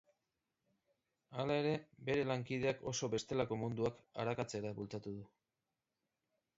Hala ere, bere lanbideak oso bestelako munduak arakatzera bultzatu du.